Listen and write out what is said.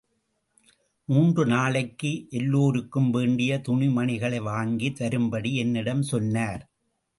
மூன்று நாளைக்கு எல்லோருக்கும் வேண்டிய துணி மணிகளை வாங்கி வரும்படி என்னிடம் சொன்னார்.